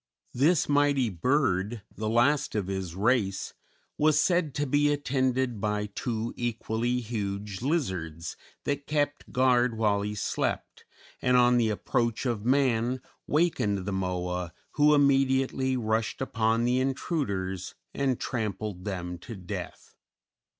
This mighty bird, the last of his race, was said to be attended by two equally huge lizards that kept guard while he slept, and on the approach of man wakened the Moa, who immediately rushed upon the intruders and trampled them to death.